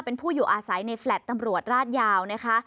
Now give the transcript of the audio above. เป็นผู้อยู่อาศัยในแฟลต์ตำรวจราดยาวนะคะ